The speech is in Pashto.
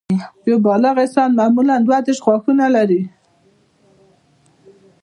یو بالغ انسان معمولاً دوه دیرش غاښونه لري